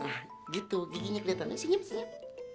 nah gitu giginya kelihatannya senyum senyap